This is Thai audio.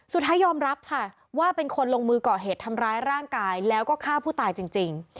สุดท้ายยอมรับค่ะว่าเป็นคนลงมือก่อเหตุทำร้ายร่างกายแล้วก็ฆ่าผู้ตายจริง